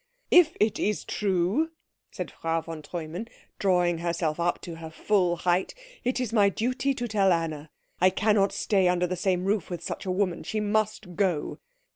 "If it is true," said Frau von Treumann, drawing herself up to her full height, "it is my duty to tell Anna. I cannot stay under the same roof with such a woman. She must go."